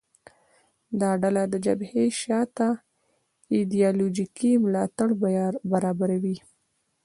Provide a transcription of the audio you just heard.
دا ډله د جبهې شا ته ایدیالوژیکي ملاتړ برابروي